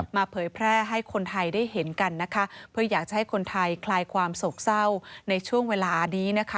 เผยแพร่ให้คนไทยได้เห็นกันนะคะเพื่ออยากจะให้คนไทยคลายความโศกเศร้าในช่วงเวลานี้นะคะ